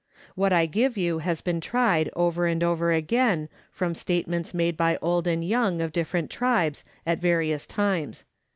What I give you has been tried over and over again from state ments made by old and young of different tribes at various times.